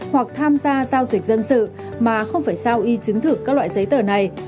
hoặc tham gia giao dịch dân sự mà không phải sao y chứng thực các loại giấy tờ này